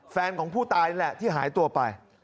แฟนของผู้ตายแหละที่หายตัวไป